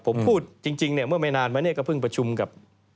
ผมพูดจริงเมื่อไม่นานมาก็เพิ่งประชุมกับ